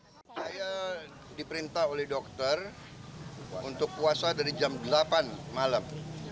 saya diperintah oleh dokter untuk puasa dari jam delapan malam